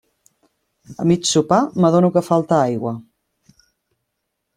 A mig sopar m'adono que falta aigua.